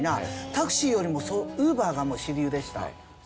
タクシーよりもＵｂｅｒがもう主流でした。